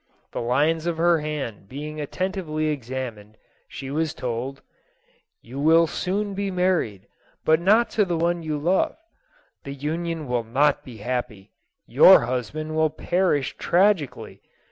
The lines of her hand being attentively examined, she was told, " You will soon be married, but not to the one you love: the 10* 226 JOSEPHINE. union will not be happy: your husband will perish tragically.